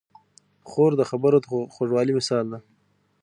خور د خبرو د خوږوالي مثال ده.